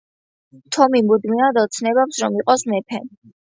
თომი მუდმივად ოცნებობს, რომ იყოს მეფე.